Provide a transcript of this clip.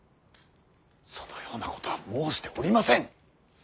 そのようなことは申しておりません。